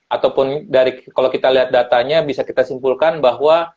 ataupun dari kalau kita lihat datanya bisa kita simpulkan bahwa